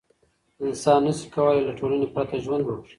انسان نسي کولای له ټولنې پرته ژوند وکړي.